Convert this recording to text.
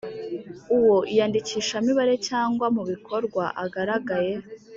Uwo iyandikishamibare cyangwa mu bikorwa agaragaye